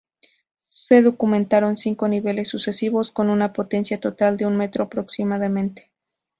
Se documentaron cinco niveles sucesivos, con una potencia total de un metro aproximadamente.